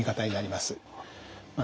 まあ